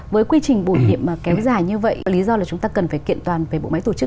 với quy trình bổ nhiệm kéo dài như vậy lý do là chúng ta cần phải kiện toàn về bộ máy tổ chức